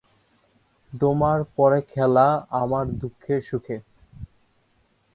তোমার 'পরে খেলা আমার দুঃখে সুখে।